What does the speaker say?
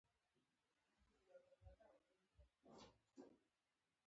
آیا لنډۍ د پښتو ادب ستره هستي نه ده؟